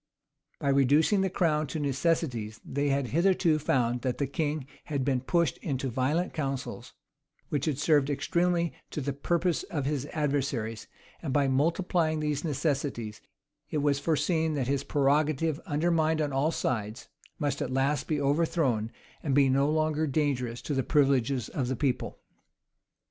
By reducing the crown to necessities, they had hitherto found that the king had been pushed into violent counsels, which had served extremely the purposes of his adversaries: and by multiplying these necessities, it was foreseen that his prerogative, undermined on all sides, must at last be overthrown, and be no longer dangerous to the privileges of the people.